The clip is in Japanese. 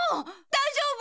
大丈夫！？